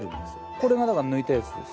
これが抜いたやつです。